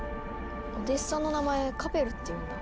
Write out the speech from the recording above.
お弟子さんの名前カペルっていうんだ。